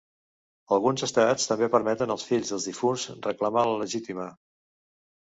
Alguns estats també permeten els fills dels difunts reclamar la legítima.